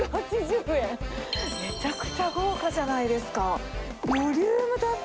めちゃくちゃ豪華じゃないですか。